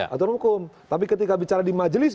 aturan hukum tapi ketika bicara di majelis